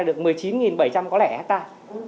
được một mươi chín bảy trăm linh hectare